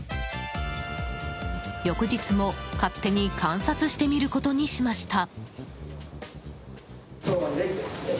翌日も勝手に観察してみることにしました。